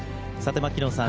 牧野さん